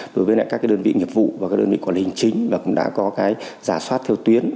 đơn vị nghiệp vụ và đơn vị quản lý chính đã có giả soát theo tuyến